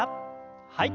はい。